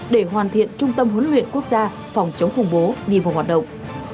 để hoàn thiện trung tâm huấn luyện quốc gia phòng chống khủng bố đi vào hoạt động